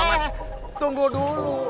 eh tunggu dulu